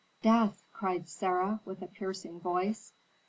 "Death!" cried Sarah, with a piercing voice.